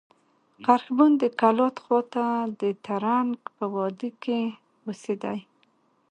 خرښبون د کلات خوا ته د ترنک په وادي کښي اوسېدئ.